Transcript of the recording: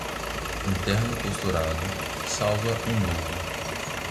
Um terno costurado salva um novo.